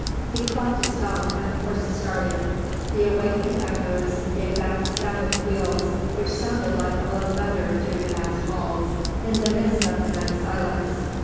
He clucked his tongue, and the horses started. The awakened echoes gave back the sound of the wheels, which sounded like low thunder through the vast halls, in the midst of the night silence.